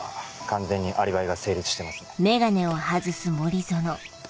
完全にアリバイが成立してますね。